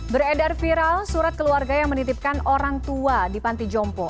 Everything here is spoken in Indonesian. beredar viral surat keluarga yang menitipkan orang tua di panti jompo